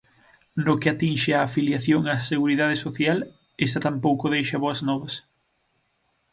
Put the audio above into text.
No que atinxe á afiliación á Seguridade Social, esta tampouco deixa boas novas.